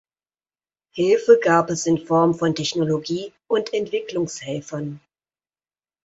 Hilfe gab es in Form von Technologie und Entwicklungshelfern.